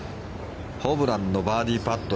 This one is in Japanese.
ホブランのバーディーパット。